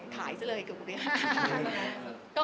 ขายซะเลยเกือบเป็นห้า